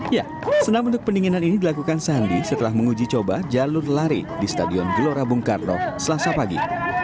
ya senam untuk pendinginan ini dilakukan sandi setelah menguji coba jalur lari di stadion gelora bung karno selasa pagi